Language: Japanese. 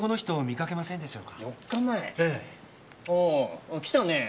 ええ。ああ来たね。